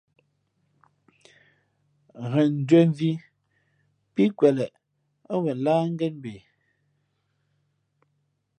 Ghen njwēn mvhī pí kweleꞌ ά wen láh ngén mbe.